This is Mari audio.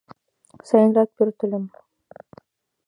Сайынак пӧртыльым.